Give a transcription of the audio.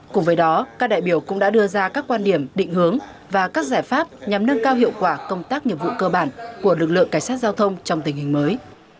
cùng với đó các đại biểu cũng đã đưa ra các quan điểm định hướng và các giải pháp nhằm nâng cao hiệu quả công tác nhiệm vụ cơ bản của lực lượng cảnh sát giao thông trong tình hình mới